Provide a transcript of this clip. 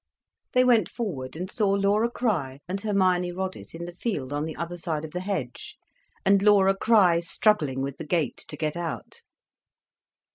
They went forward and saw Laura Crich and Hermione Roddice in the field on the other side of the hedge, and Laura Crich struggling with the gate, to get out.